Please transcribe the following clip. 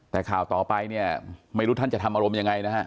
แต่ข่าวต่อไปเนี่ยไม่รู้ท่านจะทำอารมณ์ยังไงนะฮะ